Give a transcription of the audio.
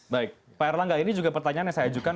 baik pak erlangga ini juga pertanyaan yang saya ajukan